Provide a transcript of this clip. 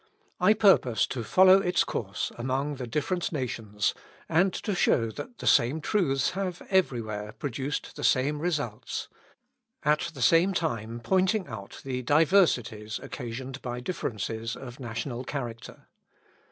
I purpose to follow its course among the different nations, and to show that the same truths have everywhere produced the same results; at the same time, pointing out the diversities occasioned by differences of national character.